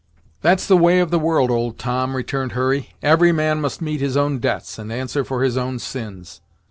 "That's the way of the world, old Tom," returned Hurry. "Every man must meet his own debts, and answer for his own sins.